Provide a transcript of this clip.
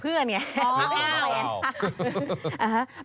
ปฏิเสธนี่แต่เพื่อนไง